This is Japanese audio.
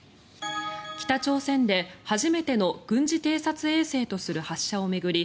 北朝鮮で初めての軍事偵察衛星とする発射を巡り